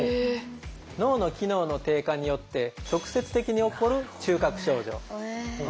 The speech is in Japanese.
脳の機能の低下によって直接的に起こる中核症状。